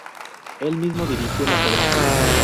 Él mismo dirigió las obras.